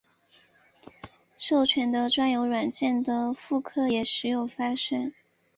授权的专有软件的复刻也时有发生。